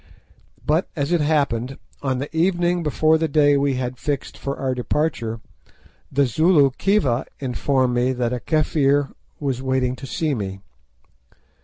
But, as it happened, on the evening before the day we had fixed for our departure the Zulu Khiva informed me that a Kafir was waiting to see me.